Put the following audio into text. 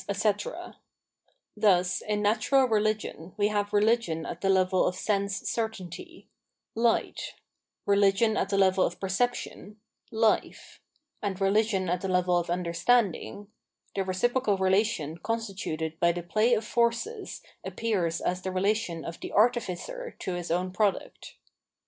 e Thus, in Natural Religion, we have Religion at the level of Sense certainty — Light" : Religion at the levtd of Percep tion —" Life ": and Religion at the level of Understanding — the reciprocal relation constituted by the " play of forces " appears as the relation of the " Artificer " to his own product.